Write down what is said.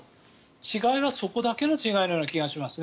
違いはそこだけの違いのような気がしますね。